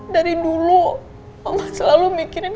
dari dulu allah selalu mikirin